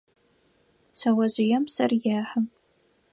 Шъэожъыем псыр ехьы.